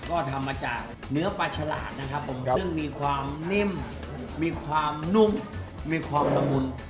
ก็ทำมาจากเนื้อปลาฉลาดนะครับผมซึ่งมีความนิ่มมีความนุ่มมีความละมุน